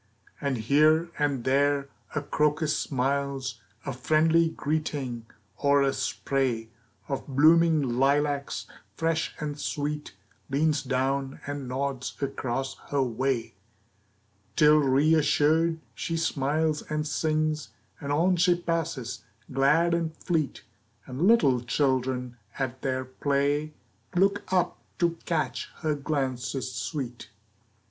And here and there a crocus smiles A friendly greeting, or a spray Of blooming lilacs, fresh and sweet, Leans down and nods across her way. Till, reassured, she smiles and sings, And on she passes, glad and fleet, And little children at their play Look up to catch her glances sweet.